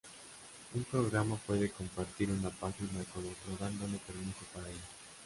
Un programa puede compartir una página con otro dándole permiso para ello.